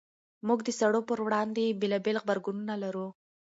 موږ د سړو پر وړاندې بېلابېل غبرګونونه لرو.